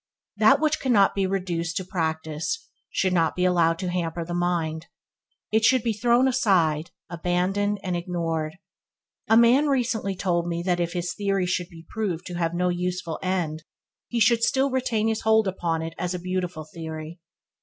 That which cannot be reduced to practice should not be allowed to hamper the mind. It should be thrown aside, abandoned, and ignored. A man recently told me that if his theory should be proved to have no useful end, he should still retain his hold upon it as a beautiful theory.